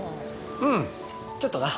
うんちょっとな。